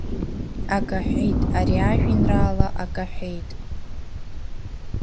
Ак аҳәеит, ари ажәеинраала, ак аҳәеит!